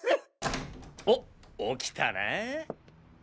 おっ起きたな。